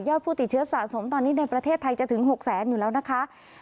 ผู้ติดเชื้อสะสมตอนนี้ในประเทศไทยจะถึง๖แสนอยู่แล้วนะคะ